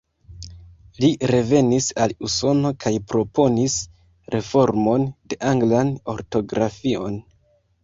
Li revenis al Usono kaj proponis reformon de anglan ortografion.